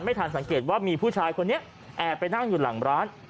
ทันสังเกตว่ามีผู้ชายคนนี้แอบไปนั่งอยู่หลังร้าน